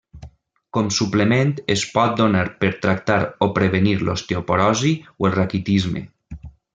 Com suplement es pot donar per tractar o prevenir l'osteoporosi o el raquitisme.